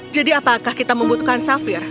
jadi apakah kita membutuhkan safir